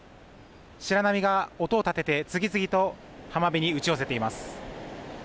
白波が音を立てて次々と浜辺に打ち寄せています。